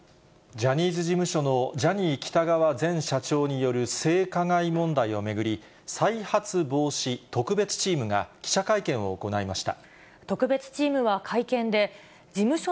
ジャニーズ事務所のジャニー喜多川前社長による性加害問題を巡り、再発防止特別チームが記者会見を行いました。